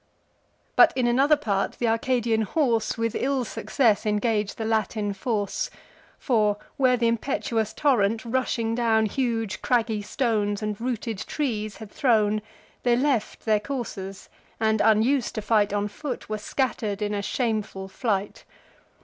But, in another part, th' Arcadian horse With ill success engage the Latin force: For, where th' impetuous torrent, rushing down, Huge craggy stones and rooted trees had thrown, They left their coursers, and, unus'd to fight On foot, were scatter'd in a shameful flight.